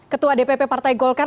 ketua dpp partai golkar